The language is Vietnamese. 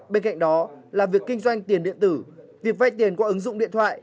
bên cạnh đó là việc kinh doanh tiền điện tử việc vay tiền qua ứng dụng điện thoại